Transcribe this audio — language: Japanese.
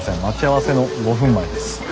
待ち合わせの５分前です。